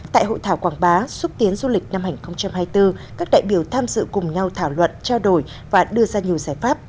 tại hội thảo quảng bá xúc tiến du lịch năm hai nghìn hai mươi bốn các đại biểu tham dự cùng nhau thảo luận trao đổi và đưa ra nhiều giải pháp